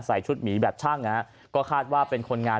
ใส่ชุดหมีแบบช่างก็คาดว่าเป็นคนงาน